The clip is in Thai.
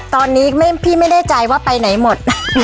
ตอนนี้พี่ไม่แน่ใจว่าไปไหนหมด